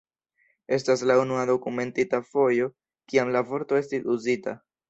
Estas la unua dokumentita fojo, kiam la vorto estis uzita.